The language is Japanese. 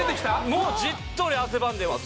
もうじっとり汗ばんでます